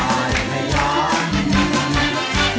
แหมเชียร์กันใหญ่เลย